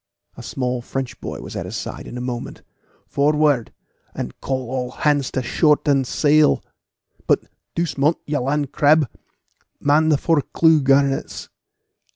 A small French boy was at his side in a moment. "Forward, and call all hands to shorten sail; but, doucement, you land crab! Man the fore clew garnets.